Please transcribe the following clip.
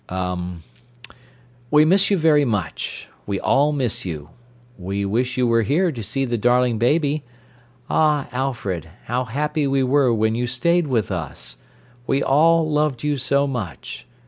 " Er 'We miss you very much. We all miss you. We wish you were here to see the darling baby. Ah, Alfred, how happy we were when you stayed with us. We all loved you so much.